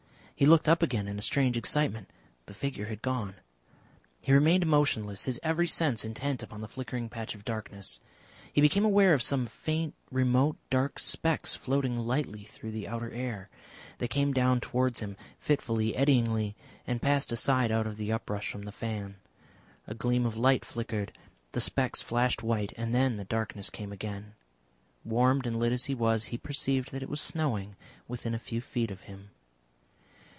He looked up again in a strange excitement. The figure had gone. He remained motionless his every sense intent upon the flickering patch of darkness. He became aware of some faint, remote, dark specks floating lightly through the outer air. They came down towards him, fitfully, eddyingly, and passed aside out of the uprush from the fan. A gleam of light flickered, the specks flashed white, and then the darkness came again. Warmed and lit as he was, he perceived that it was snowing within a few feet of him.